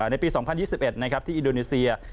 ในปี๒๐๒๑นะครับที่อิดโนเนซีย